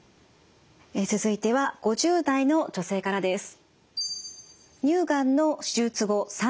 続いては５０代の女性からです。